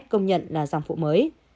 công nhận là dòng phụ mới